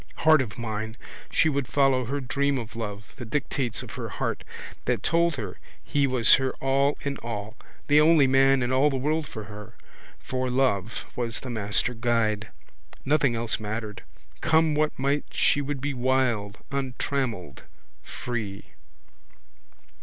Heart of mine! She would follow, her dream of love, the dictates of her heart that told her he was her all in all, the only man in all the world for her for love was the master guide. Nothing else mattered. Come what might she would be wild, untrammelled, free.